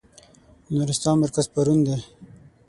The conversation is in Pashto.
د نورستان مرکز پارون دی.